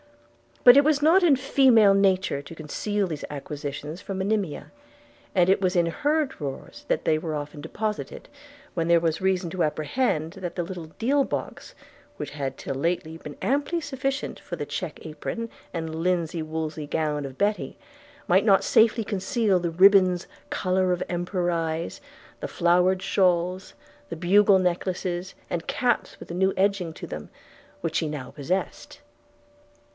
But it was not in female nature to conceal these acquisitions from Monimia; and it was in her drawers that they were often deposited, when there was reason to apprehend that the little deal box, which had till lately been amply sufficient for the check apron and linsey woolsey gown of Betty, might not safety conceal the ribbands 'colour of emperors' eyes,' the flowered shawls, the bugle necklaces, and caps with new edging to them, which she now possessed.